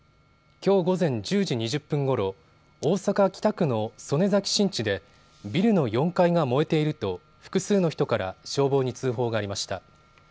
きょう午前１０時２０分ごろ大阪北区の曽根崎新地でビルの４階が燃えていると複数の人から消防に通報がありました。